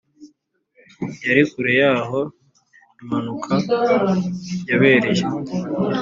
yari kure y’aho impanuka yabereye,